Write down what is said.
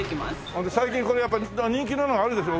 ほんで最近やっぱ人気なのがあるでしょ？